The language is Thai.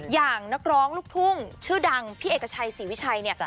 อย่างนักร้องลูกทุ่งชื่อดังพี่เอกชัยศรีวิชัยเนี่ย